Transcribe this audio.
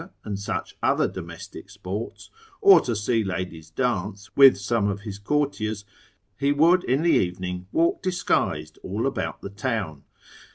and such other domestic sports, or to see ladies dance, with some of his courtiers, he would in the evening walk disguised all about the town.